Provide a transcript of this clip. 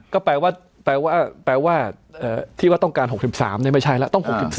ก็แปลว่าแปลว่าที่ว่าต้องการ๖๓ไม่ใช่แล้วต้อง๖๔